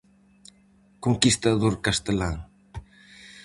Conquistador castelán.